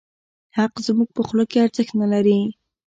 حق زموږ په خوله کې ارزښت نه لري.